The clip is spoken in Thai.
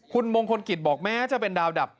คุณมงคลกิจบอกแม้จะเป็นดาวดับ